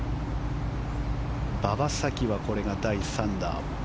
馬場咲希はこれが第３打。